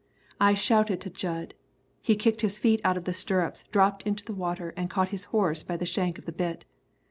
I shouted to Jud. He kicked his feet out of the stirrups, dropped into the water and caught his horse by the shank of the bit.